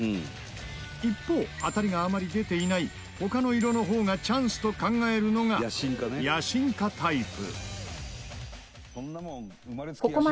一方当たりがあまり出ていない他の色の方がチャンスと考えるのが野心家タイプ。